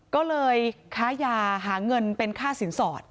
ก็เลยค้ายาหาเงินเป็นค่าสินสอด